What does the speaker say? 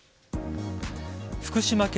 福島県